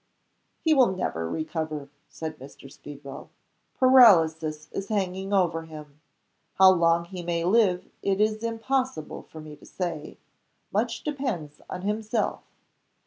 "He will never recover," said Mr. Speedwell. "Paralysis is hanging over him. How long he may live it is impossible for me to say. Much depends on himself.